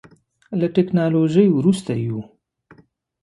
له ټکنالوژۍ وروسته یو.